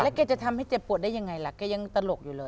แกจะทำให้เจ็บปวดได้ยังไงล่ะแกยังตลกอยู่เลย